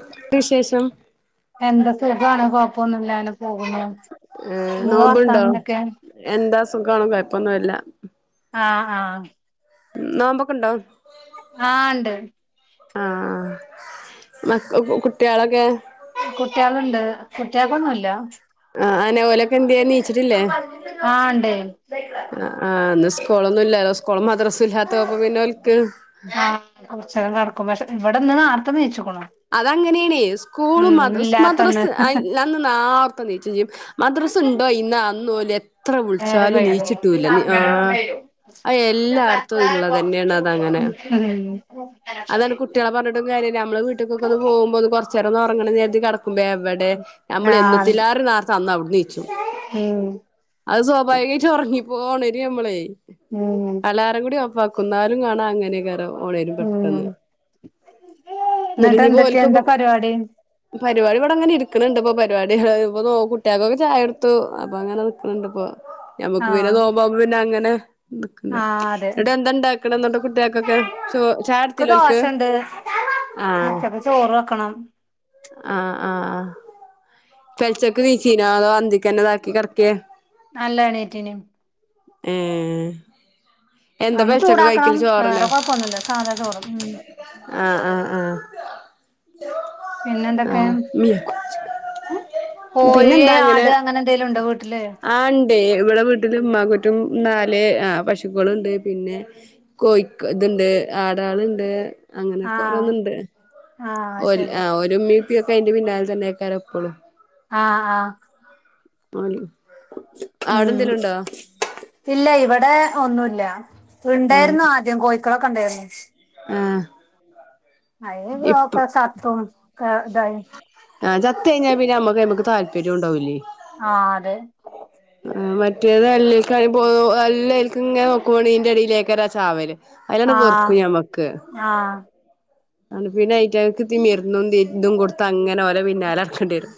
എന്തുണ്ട് വിശേഷം എന്താ സുഖാണ് കൊഴപ്പൊന്നുല്ല അങ്ങനെ പോകുന്നു. ഏഹ് നിങ്ങളെ നോമ്പുണ്ടോ വർത്താനെന്തൊക്കെ? എന്താ സുഖാണ് കൊയപ്പൊന്നുല്ല ആ ഹാ നോമ്പൊക്കൊണ്ടോ? ആ ഇണ്ട് ആ അ മക്ക കു കുട്ട്യേളൊക്കെ? കുട്ട്യേള്ണ്ട് കുട്ട്യേക്കൊന്നുല്ല ആ അയ്നോലൊക്കെന്ത്യേ ന്നീച്ചിട്ടില്ലേ ആഹ് ഇണ്ടേ ആ ആ ഇന്ന് സ്കൂളൊന്നും ഇല്ലലോ സ്കൂളും മദ്രസ്സും ഇല്ലാത്തപ്പോ പിന്നോൽക്ക് ആ കൊറച്ചേരം കടക്കും പക്ഷെ ഇവടന്ന് നാർത്തെ നീച്ച്ക്കുണു അതങ്ങനേണേ സ്കൂളും മദ്രസും ഇല്ലാത്തന്ന് മദ്രസ് അ ഇല്ലാ അന്ന് നാർത്തെ നീച്ചും ചിയ്യും മദ്രസ്സ് ഇണ്ടോ ഇന്ന് അന്നോലെ ത്ര നേരം വിളിച്ചാലും വൈകും നീച്ചിട്ടുല ആ അയെല്ലാട്ത്തും ഇള്ളതന്നേണതങ്ങനെ [unintelligible] അതാണ് കുട്ട്യേള പറഞ്ഞിട്ടും കാര്യല്ല നമ്മള് വീട്ടക്കൊക്ക ഒന്ന് പോകുമ്പൊന്ന് കൊറച്ചേരൊന്നറങ്ങണംന്ന് വിചാരിച്ച് കെടക്കുമ്പെവടെ എ ഉം നമ്മള് ആഹ് എന്നത്തിലാരും നേർത്തെ അന്ന് അവിട് ന്നേച്ചു ഉം അത് സ്വാഭാവികായിട്ട് ഒറങ്ങി പോണര് നമ്മളെ ഊം എല്ലാരും കൂടി ഓഫാക്കുന്നാലും കാണാം അങ്ങനെകാരം ഓണേരും ഉം എന്നിട്ട് നെരിഞ്ഞി എന്തൊക്കെയ കോൽക്കൊക്കെ എന്താ പരിപാടി പരിപാടി ഇവിടങ്ങനെ ഇടുക്കണണ്ട്പ്പൊ പരിപാടി ഹാ ഇപ്പ കോ കുട്ടികൾക്കൊക്കെ ചായ കൊടുത്തു അപ്പൊ അങ്ങനെ ഇണ്ട്പ്പ ഞമ്മക്ക് പിന്ന ആഹ് നേമ്പാവുമ്പ പിന്ന അങ്ങന ആഹ് അതെ എടാ എന്തണ്ടാക്കണം ഇന്നത്ത കുട്ട്യേൾക്കൊക്കെ ചോ ചായുടി ക്ക് ദോശണ്ട് ഉച്ചക്ക് ചോറ് വെക്കണം ആഹ് ആ ഫെൽചക്ക് വീശീനാ ആ അന്തിക്കന്നെതാക്കി കെടക്കേ അല്ലാ എണീറ്റേന് ഉം അന്ന് ചൂടാക്കാം ചോറെന്നെ വേറെ കൊഴപ്പൊന്നുല്ല സാദാ ചോറ് ഉം ആഹ് ആഹ് ആഹ് പിന്നെന്തൊക്കെ ആഹ് കോഴി ആട് അങ്ങനെ എന്തേലും ഉണ്ടോ വീട്ടില് ആ ഇണ്ട് ഇവിട വീട്ടില് ഇമ്മാക്കുറ്റും നാല് ആ പശുക്കളുണ്ട് പിന്നെ കോഴിക്ക ഇത്ണ്ട് ആടാള്ണ്ട് ആഹ് അങ്ങനേക്കോരോന്ന്ണ്ട് ആഹ് ഒരു ശരി ആഹ് ഒരുമ്മിപ്പിക്കെ അയിന്റെ പിന്നാലിൽ തന്നെക്കാെ എപ്പോളും ആഹ് ആഹ് [inaudible] ഉം അവിടെന്തേലു ഉണ്ടോ ഇല്ല ഇവിടെ ഒന്നുല്ല ഉണ്ടാരുന്നു ആദ്യം കോഴിക്കളൊക്കെ ഉണ്ടായിരുന്നു ആഹ അയക്ക സാത്ത ഇതായി ആത്ത കഴഞ്ഞാൽ പിന്നെ നമ്മക്ക് നമക്ക് താല്പര്യം ഉണ്ടാവൂില്ലേ ആഹ അതെ ആ മറ്റേത് എല്ല എല്ലക്കും ഇങ്ങനെ നോക്കുവണ നിന്റെ അടിയിലേക്ക ഒരാ ചാവല് അതിലാണ് ആഹ വെറുക്കും ആഹ അ പിന്നെ അ ഐറ്റ മിരുന്നും തതിന്തും കൊടുത്ത അങ്ങനെ ഓലെ പിന്നാലെ ഇറക്കേണ്ടി വരും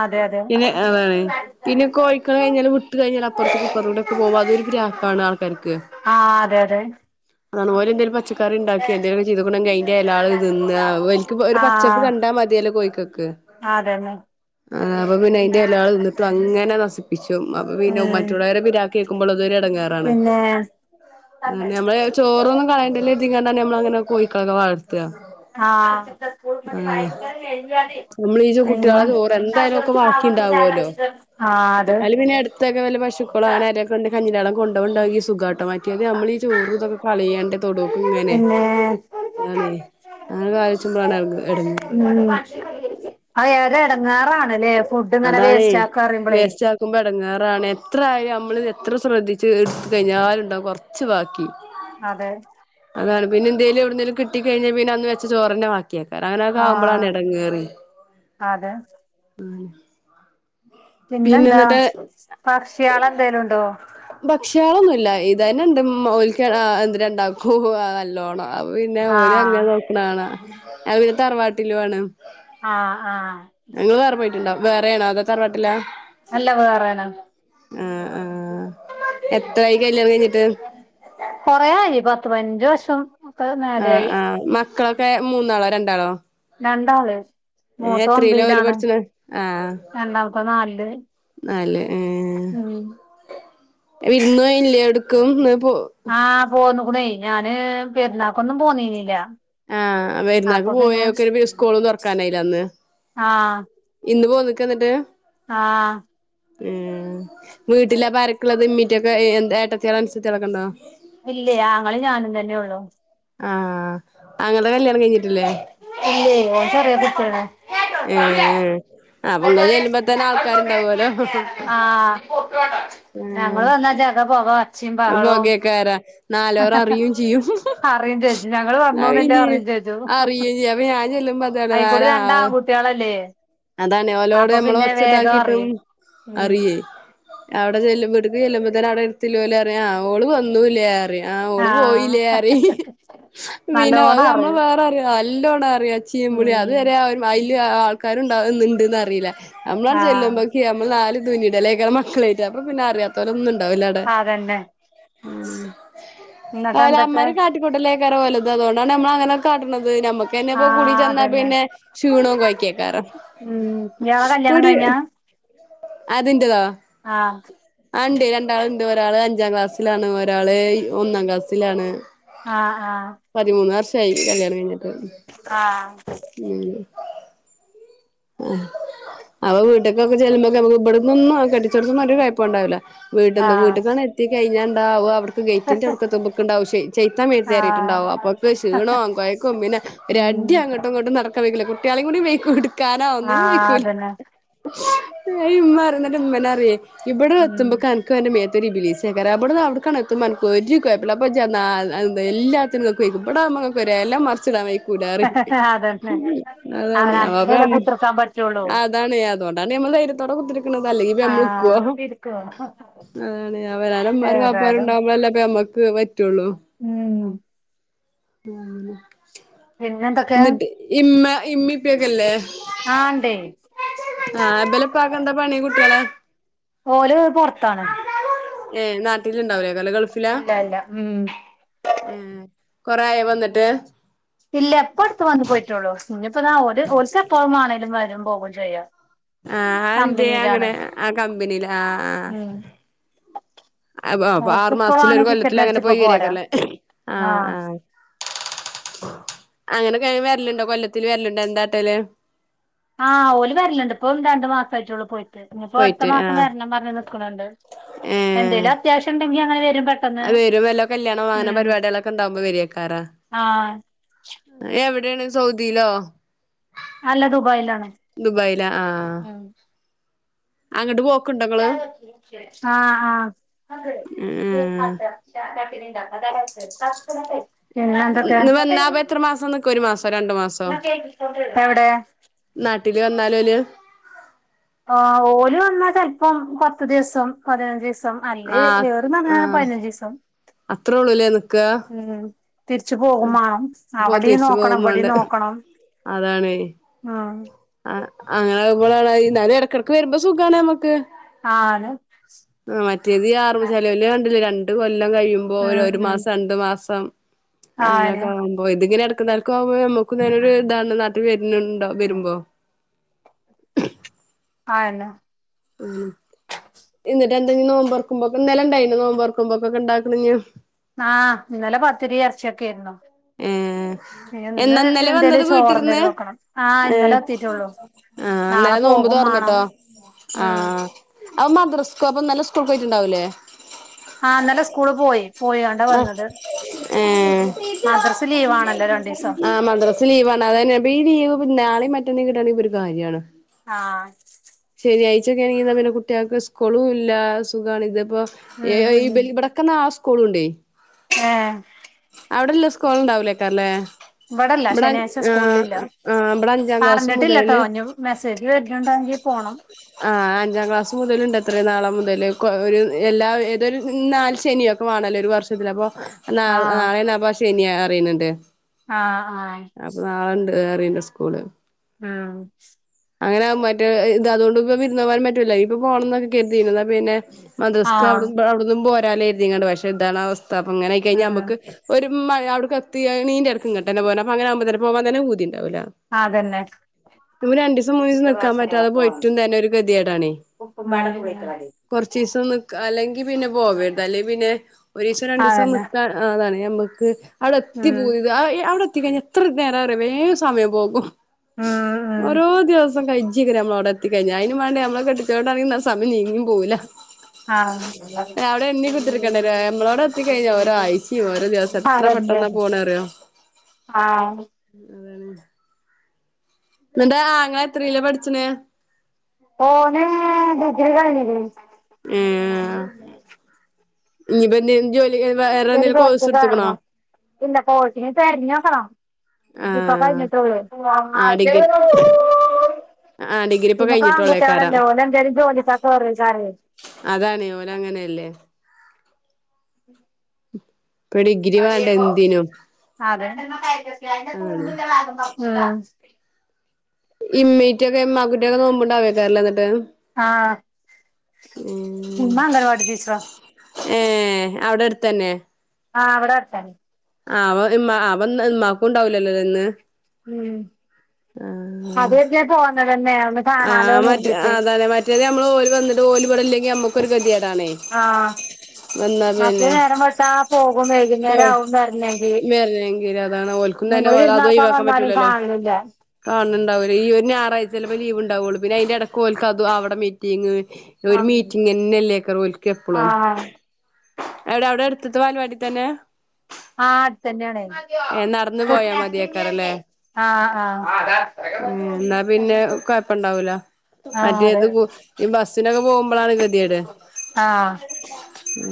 അതെ അതെ പിന്നെ ആ വോണ് [unintelligible] പിന്നെ കോഴിക്കള് കഴിഞ്ഞാല് വിട്ട് കഴിഞ്ഞാൽ അപ്പുറത്ത് കുക്കറ കൂടെക്കെ പോക്പോ അതൊരു്രാക്ക ആൾക്കാർക്ക് ആ അതെ അതെ അതുപോലെ എന്തങ്കിലും പച്ചക്കറി ഉണ്ടാക്കി എന്തങ്കിലക്ക ചെയ്തുക്കെങ്ക ആൾ ഇതിന്ന് വലക്ക് ഒരു ആ പച്ചപ്പ് കണ്ടാ മതിയല്ലോ കോഴിക്കൊക്ക് അതന്നെ ആ അപ്പൊ പിന്നെ അയിന്റെ എല്ലാൾ നിന്നിട്ടും അങ്ങനെ നശിപ്പിച്ചും അപ്പ പിന്നെ ഉം മറ്റുള്ളവരെ പി കേൾക്കുമ്പോൾ അതൊരി ഇടങ്ങാറാണ് [inaudible] ചോറോന്നും കളേണ്ടില്ല ഇതിങ്ങാണ്ടന്നെ നമ്മള അങ്ങനെ കോഴക്കൊക്കെ വളർത്തുക ആ [unintelligible] അങ്ങനെ ഭയങ്കര നമ്മള് ഈ എ കുട്ടികളെ ചോറ് എന്തായാലും [unintelligible] ഒക്കെ ബാക്കി ഉണ്ടാവുമല്ലോ അത് അതില് പിന്നെ അടുത്തൊക്കെ വല പശുക്കളും അങ്ങനെ ഇണ്ട് കഞ്ഞടം കൊണ്ട കൊണ്ടണ്ട് ഈ സുഖഘട്ടമായി ത് നമ്മളീ ഈ ചോറ് ഇതൊക്കെ കളിയണ്ട തൊടുക്കും ഇങ്ങനെ പിന്നെ അതാണ് ഞ കാചുമ്പളാണ് ഇടങ്ങാറ് ഉ അ ഏറെ ഇടങ്ങാറാണല്ലേ ഫുഡ് ഇങ്ങനെ വേസ്റ്റ് ആക്കാ അറുമ്പോളേ നക്കുമ്പ ഇടങ്ങാറാണ് എത്ര ആാലും നമ്മള് എത്ര ശ്രദ്ധിച്ച് എടുത്ത കഴിഞ്ഞാലും ഉണ്ടാവകും കൊറച്ച് ബാക്കി അതെ അതാണ് പിന്നെന്തേലും എവിടുന്നേലും കിട്ടികഴിഞ്ഞാൽ പിന്ന അന്ന് വെച്ച ചോറിനെ യക്കാർ അങ്ങനൊക്കെ ആ ആവുമ്പോളാണ് ഇടംകേറ് അതെ പിന്നെന്താ പക്ഷികളെന്തേലും ഉണ്ടോ പക്ഷികളൊന്നുമില്ല ഇതന്നെ ഇണ്ട് മോള്ക്ക് എന്തി രണ്ടാൾക്കു നല്ലോണം അ പിന്നെ ഒരു അ ആഹ് നോക്കണാണ ഞാൻ പിന്നെ തറവാട്ടില് വേണം അ ആ ഞങ്ങള് വേറെ പോയിട്ടുണ്ടോ വേറെയാണോ അതൊ തറവാട്ടിലൊ നല്ല വേറെന അ ആ എത്ര ആയി കല്യാണം കഴിഞ്ഞിട്ട് കൊറെയായി പത്ത് പതിനഞ്ച വർഷം ഒക്കെ മേല ആയി ക്കളൊക്കെ മൂന്നാളോ രണ്ടാളോ രണ്ടാള് മൂത്തോ എത്രയിലാ ഓല് മ്പലാണ് പഠിച്ചണെ ആഹ് രണ്ടാമത്തോ നാലില് നാല് ങ്ങ് ഉം വിരുന്നു പോയില്ലേ എവിടേക്കും ങ്‌ പോ ആ പോന്ന് കുണേ ഞാന് പെരുന്നാക്കൊന്നും പോന്നീനില്ല ആഹ വരുന്നാൾക്ക് അപ്പൊ പിന്നെ പോയൊക്കെ ഒരു സ്കൂളന്ന് തുറക്കാനായില്ല അന്ന് ആ ഇന്ന് പോ നിക്ക് എന്നിട്ട് ആ മ് വീട്ടിലാ പ്പ രക്കുള്ളത് ഇമ്മീറ്റൊക്കെ എ ഏട്ടത്തിയാ അനുസത്തികളൊക്കണ്ടോ ഇല്ല ആങ്ങളയും ഞാനും തന്നെ ഉള്ളു ആ ആങ്ങളയുടെ കല്യാണം കഴിഞ്ഞിട്ടില്ലേ ഇല്ലേ ഒ സറ അതിട്ടാണ് ഏഹ് അപ്പൊ ഇങ്ങള് ചെല്ലുമ്പോ തന്നെ ആൾക്കാരുണ്ടാവോലോ [unintelligible] [inaudible] ഞങ്ങള് വന്നാ ജക പൊക ബകേക്കാര നാലവർ അറിയും ചെയ്യും ഹിഹി അറിയും ചേച്ചി ഞങ്ങള് വന്നൂന്നില്ല അറിഞ്ഞ് അറിയും അറയും ചെയ്യ ഞാൻ ചെല്ലുമ്പം ആയിക്കുടെ രണ്ടാൺകുട്ടികളല്ലേ അതാണ് ഓലോട് നമ്മൾഒച്ചണ്ടാക്കിട്ടും ഉം അറിയേ അവിടെ ചെല്ലുമ്പോ ഇവിടക്ക് ചെല്ലുമ്പോത്തേന അടെ എടുത്തില്ലോല് പറയും ഓള് വന്നൂല്ലേ ആ ഓള് പോയില്ലേ അറീം പിന്നെ അത് നല്ലോണം നമ്മള് അറിയും വേറെ അറിയ നല്ലോണം അറിയും ഒച്ചിയിംപുളി അത് ഉം വര വല്യ ആൾക്കാരുണ്ടാവുന്നുണ്ട് അറിയില്ല നമ്മള ആ ചെല്ലുമ്പക്ക നമ്മൾ നാല് ഇത് പിന്നിടൽയ്കരം മക്കളായിട്ട അപ്പ പിന്ന അറിയാ റൊന്നുംണ്ടാവില്ലടെ അതന്നെ എന്നിട്ട് മ് എന്തൊക്കെ ലമ്മാരി ക്കുട്ടലേക്ക ര വലതും അതുകൊണ്ടാണ് നമ്മള അങ്ങനെ കാട്ടണത് ഞമ്മ പിന്നെപ്പോ ആ കുടി ചെന്നാ അതന്നെ പിന്നെ ക്ഷീണോ കൊഴകേക്കാരം ഉം ഇയാളെ കല്യാണം കുടി കഴിഞ്ഞാ അതിന്റതോ ആ ആ ഉണ്ട് രണ്ടാള ഉണ്ട് ഒരാള് അഞ്ചാം ക്ലാസ്സിലാണ് ഒരാള് ഒന്നാം ക്ലാസ്സിലാണ് ആ ആ പതിമൂന്ന് വർഷയി കല്യാണം കഴിഞ്ഞിട്ട് ഉം അവ വീട്ടേക്കൊക്കെ ചെല്ലുമ്പോക്ക നമുക്ക് ഇവിടന്നൊന്നു കെട്ടിച്ചെടുത്തരു കയപ്പംണ്ടാവില്ല ആ വീട്ടെന്ന് വീട്ടിക്കാണ് എത്തി കഴിഞ്ഞണ്ടാവുക അവർ ഗേറ്റിന്റെ അടുക്കത്തുമക്ക ഉണ്ടാവും ആ ചെയ്ത്താമേഴത്ത്യറിയിട്ടണ്ടവും അപ്പൊക്ക് ആ ക്ഷീണവും കോഴക്കും പിന്നെ ഒരു ഉം അടി അങ്ങോട്ടും ഇങ്ങോട്ടും നടക്കൻ വെക്കില്ല കുട്ടികളെയും കൂടി മേക്കും ഇടുക്കാനാ ഒന്നിനും ആഹ് വേയ്ക്കൂല്ല അതന്നെ ഇമ്മാറിം ഇമ്മന്നെ റീം ഉം ഇബടത്ത്തുമ്പ കാ ക്ക് ന്റെ മേത്തോരു ഇബ്‌ലീസായ്കാരം അവിടുന് അവിടെകെണ എതുമ്പോ ഒരു കൊയപ്പല്ല അപ്പൊ ഇജ്ജ് ചെന്നാൽ എല്ലാ ക്ക് വെയ്ക്കും ഇവിടവുമ്പോ ങ്ങക്ക് ഒരു എല മറച്ചിടാ വെയ്ക്കൂലറിം അതന്നെ അതാണ് പ്പ അവനവന്റെ കുത്തിർക്കാൻ പറ്റുള്ളൂ അതാണ് അതുകൊണ്ടാണ് മ്മൾ ധൈര്യത്തോടെ കുത്തിരിക്കണത അല്ലെങ്കി ഇപ്പ നമ്മൾ നിക്കുവോ ക്ക് ഹാ അതാണ് അവനാന്റെ ഇമ്മാരും വാപ്പാരു ഉണ്ടാവുമ്പോഴല്ല അമ്മക്ക് പറ്റുള്ളു ഉം ഉം ആ പിന്നെ എന്തൊക്ക എന്നിട്ട് ഇമ്മം ഇപ്പൊക്കല്ലേ ആ ഇണ്ടേ ആഹ് ഇവലപ്പാക്കെ എന്താ പണി കുട്ടികളെ ഓല് പുറത്താണ് ഏ് നട്ടിലുണ്ടാകുല്ലേ അല്ലെ ഗൾഫ് അല്ല അല്ല ഉം ഉം കൊറയൊ വന്നിട്ട് ഇല്ല ഇപ്പോ അടുത്ത് വന്ന് പോയിട്ടുള്ളൂ ഇഞ്ഞിപ്പോ ഇതാ ഒല് ഒലക് എപ്പോഴ ആണെലും വരും പോകുകയും ചെയ്യ ആഹ എന്തേ അങ്ങനെ ആ കമ്പനിൽ ആഹാ ആഹാ ഉം അ ആറു ഓർക്കിപ്പോ മാസത്തില വേണേ ഒരു കൊല്ലത്തി ടിക്കറ്റ് അങ്ങനെ അടിച്ചിപ്പോ പോയി പോരാ വരിയാക്കരല്ലേ ആഹാ ആഹ് ആഹാ അങ്ങനൊക്കെ വരലുണ്ടോ കൊല്ലത്തില് വരലുണ്ടോ എന്താട്ടല് ആഹ്ഓല വരലുണ്ട് ഇപ്പം രണ്ടു മാസ ആയിട്ടൊള്ളൂ പോയി ഇനിപ്പോ അടുത്ത പോയിട്ട് മാസം ആഹ് വരണം പറഞ്ഞ് നിക്കണണ്ട് ഏഹ് എന്തെങ്കലും അത്യാവശ്യം ഉണ്ടെങ്കി അങ്ങനെ വരും പെട്ടെന്ന് അത് വരും വല്ലോ കല്യാണം വാങ്ങന ഉം പരിപാടികളൊക്കെ ഉണ്ടാാവുമ്പോ വെരിയക്കാരം ആഹ് എവിടെയാണ് സൗദിയിലോ അല്ല ദുബായിലാണ് ദുബായില ആഹാ ഉം ഇങ്ങള് ആഹാ ആഹാ ഏഹ് [unintelligible] പിന്നെ എന്തൊക്കെ ഇന്ന് വന്നാ അപ്പൊ എത്ര മാസം നിക്കും ഒരു മാസോ രണ്ടു മാസോ എവിടെ നാട്ടില് വന്നാലോ ഒലു ആ ഓല് വന്നാ ചെലപോം പത്ത് ദിവസം പതിനഞ്ച് ദിവസം അല്ലെ ആഹ് ഇരുന്ന്പരാജൽ ആഹ് പതിനഞ്ച് ദിവസം അത്രേ ഉള്ളൂല്ലേ നിക്കാ ഉം തിരിച്ചു പോകും മാണം അവിടെ നോക്കണം ഇവിടെ നോക്കണം അതാണ് ആഹ ആ അങ്ങനെ [unintelligible] എന്നാലും ഇടക്കിടക്ക് വരുമ്പോ സുഖാണ് നമുക്ക് ആണ് ആ മറ്റേത് [unintelligible] കണ്ടില്ലേ രണ്ട് കൊല്ല കഴിയുമ്പോ ഉം ഒരു ഉം മാസം രണ്ടു മാസം ആയെന്നെ അങ്ങനെയൊക്കെ അപ്പൊ ഇതിങ്ങനെ ഇടക്കും നടുക്കും ആവുമ്പോ നമുക്ക് ഇങ്ങനെ ഒരു ഇതാണ് നാട്ടിൽ വരുന്നുണ്ടോ വരുമ്പോ അതന്നെ ഉ എന്നിട്ട് എന്തെങ്കിലും നോമ്പറക്കുമ്പോക്ക ഇ നല ഇണ്ടായി നോമ്പ [unintelligible] ആഹ് ഇന്നലെ പത്തിരി ഇറച്ചിയൊക്കെ ആയിരുന്നു ഏ ഇന്ന് എന്നാന്നലെ എന്തേലും വന്നത് വീട്ടിന്ന് ചോറെന്തേലും വെക്കണം ആഹ് ഏ ഇന്നലെ എത്തിട്ടുള്ളൂ ആഹ നാളെ ഇന്നലെ നോമ്ബ് പോകും മാണം തുറന്നിട്ടോ ഉം ആഹ അ മദ്രരസക്കോ അപ്പൊ ഇന്നലെ സ്കൂളിൽ പോയിട്ടുണ്ടാവൂലേ ആഹ് ഇന്നലെ സ്കൂള് പോയി പോയാണ്ടാ ആ വന്നത് ആഹ മദ്രസ് ലീവാണല്ലോ രണ്ടീസം ആഹ മദ്രസ ലീവ ആണ അത് ഈ ലീവ് നാളേം മറ്റന്നും കിട്ടാണെങ്കിൽ ഒരു കാര്യമാണ് ആഹ ശനിയാഴ്ച ഒക്കെ ആണെങ്കി പിന്നെ കുട്ടികൾക്ക് സ്കൂളും ഇല്ല സുഖമാണ് ഇതിപ്പോ ഉം [unintelligible] [unintelligible] സ്കളുണ്ടേ ആഹ അവിടെല്ലാം സ്കൂൾ ഇണ്ടാവുലൈറരം ല്ലേ [unintelligible] ഇവിടല്ല ഇബടെ ശനിയാഴ്ച ആഹ് സ്കൂളിലില്ല ആഹ ഇബടെ അഞ്ചാം ക്ലാസ് പറഞ്ഞിട്ടില്ലട്ടോ മുതല് ഇനി മെസ്സേജ് വരിണ്ടെങ്കിൽ പോണം ആ അഞ്ചാം ക്ലാസ് മുതലുണ്ട് എത്ര നാളെ മുതൽ ഒരു എല്ലാ ഏതൊരു നാല് ശനിയൊക്കെ വേണല്ലോ ഒരു വർഷത്തില് അപ്പൊ ന ആഹ് നാളെ നബാശനിയ അറിയുന്നുണ്ട് ആഹ ആഹ അപ്പൊ നാളെണ്ട് അറിണ്ട് സ്കൂള് ആഹ് അങ്ങനാഉം മറ്റേ ഇത് അതോണ്ട് ഇപ്പ വിരുന്ന് പോവാനും പറ്റൂല്ല ഇപ്പൊ പോണം ന്നൊക്കെ കരുതിയിരുന്നതാ പിന്നെ മദ്രസ്ക്ക് ആഹ് അവിടും ബെ അവിടുന്നും പോരാലാര്തീങ്ങണ്ട് പക്ഷെ ഇതാണ് അവസ്ഥ അപ്പൊ ങ്ങനെയ് കഴിഞ് ഉം അമക്ക് ഒരുമ്മഴ അവിടെക്ക് ത്തിയെ നീന്റെടക്ങ്ങട്ടെന്നെ പോര്ണ അപ്പ അങ്ങനാകുമ്പോ തന്നെ പോവാൻ തന്നെ പൂതി ഉണ്ടാവില ആതന്നെ മൂന്നീസം നിക്കാൻ പറ്റാതെ പോയിട്ടും തന്നെ ഒരു [unintelligible] കൊർച്ചീസം നിക്ക അല്ലെങ്കി പിന്നെ പോവേര്ത് അല്ലെങ്കി പിന്നെ ഒരീസം രണ്ടീസം അതന്നെ നിക്കാ അതാണ് ഞമക്ക് അവിടെ എത്തി ഉം പൂതിത് ആഹ് ഈ അവിടെത്തി കഴിഞ്ഞ ത്ര നേരാറിയോ വേം സമയം പോകും ഉം ഉം ഓരോ സം കഴിജ്ക്ക്രാ അമ്മളോടെത്തികഴിഞ്ഞ അയ്ന് മാണ്ടി അമ്ളെ കെട്ടിച്ചോണ്ടാണെങ്ങി സമയം നീങ്ങിൻ പോവ് ല അവിടെ എണ്ണി കുത്തിരിക്കേണ്ടര നമ്മളോടെ എത്തി കഴിഞ്ഞ ഓരാഴ്ചയും ഓരോ ദിവ എത്ര പെട്ടെന്നാ പോണെറിയോ ആഹ് നിന്റെ ആങ്ങള എത്രേലാ പഠിച്ണെ ഓന് ഡിഗ്രി കഴിഞ്ഞിക്ണ് ഏഹ് ഞ്ഞിപ്പ എന്തേം ജോലി വേറെ എന്തെങ്കിലും കോഴ്സ് എടുതുക്ണോ ഇല്ല കോയ്സ് ഞ് തെര്ഞ്ഞോക്കണം ഇപ്പൊ ആഹ് കഴിഞ്ഞിട്ടേ ഒള്ളു ആഹ് ഡിഗ്രി [unintelligible] ആ ഡിഗ്രി ഇപ്പൊ പിന്നെ ഇപ്പ കഴിഞ്ഞിട്ടോള്ളേക്കാരം ആൺകുട്ട്യേളെല്ലെ ഓല് എന്തെലും ജോലി [unintelligible] അതാണ് ഓന് അങ്ങനെയല്ലേ ഇപ്പൊ ഡിഗ്രി അതെ വേണ്ട എന്തിനും ഉം അതാണ് ഇമ്മീറ്റൊക്കെ എമാക്കുട്ടിയൊക്കെ നോമ്പ്ണ്ടാവേകാരല്ലെ ന്നട്ട് ആഹ് ഉമ്മ അംഗനവാടി ടീച്ചറാ ഏഹ് അവിടെട്ത്തന്നെ ആഹ് വടെട്ത്താ ആവഹ് ഇമ്മാ അഹ് വന്ന് ഇമ്മാക്കുണ്ടാഉല്ലല്ലോലെ ഇന്ന് ഉം ആഹ് ആഹ് പോന്ന തന്നെ അഒന്ന് കാണാലോ ന്നര്തീട്ടേ റ്റേത് അമ്മളോൽ വന്ന്ട്ട് ഓല് വിടെല്ലെങ്കി അമ്മക്കൊരു ഗദ്യേടാണേ ആഹ് മറ്റേ നേരം വെൾത്താ പോകും വൈകുന്നേരം ആവും വര്ന്നെങ്കില് വരണെങ്കില് അതാണ് ഓൽക്കും തന്നെ ങങ്ങള് വിര്ന്നാർക്കാൻ വന്നാലും കാൺലില്ല കാൺണ്ടാവില ഈ ഒരു ഞായറാഴ്ചല്ലപ്പോ ലീവ് ഉണ്ടാവുള്ളൂ പിന്നെ അയ്ന്റെടക്ക്ഓൽക്കതു ആവടെ മീറ്റിങ് ഒരു ആഹ് മീറ്റിംഗന്നല്ലേക്കറ് ഓൽക്കെപ്പളും ആഹ് എടെ അവിടെ എടുത്ത്ത ബാലവാടി തന്നെ ആഹ് അട്ത്തന്നെയാണെ ഏഹ് നടന്നു പോയാ മതിയേക്കാരല്ലേ ആഹ് ആഹ് ഉം ന്നാ പിന്നെ കൊയപ്പണ്ടാവൂല ആഹ് അതെ മറ്റേേത് കു ഇ ബസ്സിനൊക്കെ പോഉമ്പളാണ് ഗദ്യേട് ആഹ്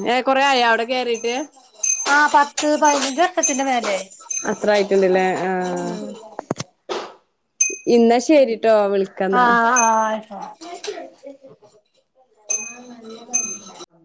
ന്നേ കൊറേ ആയാ അവ്ടെ കേറിട്ട് ആഹ് പത്ത് പയ്നഞ്ച് വർഷത്തിന്റെ മേലെയായി അത്ര ആയിട്ടുണ്ട്ല്ലേ ആഹ് ഉം ഇന്ന ശരിട്ടോ വിളിക്കന്നാ ആഹ് ആഹ് ആഹ് നല്ലതാ ഉ